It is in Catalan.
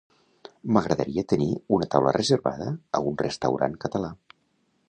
M'agradaria tenir una taula reservada a un restaurant català.